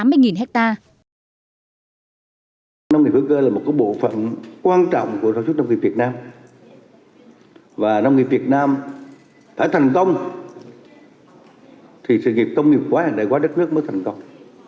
nông nghiệp việt nam phải thành công thì sự nghiệp công nghiệp quá hiện đại quá đất nước mới thành công